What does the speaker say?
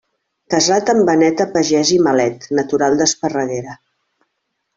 Casat amb Beneta Pagès i Malet natural d'Esparreguera.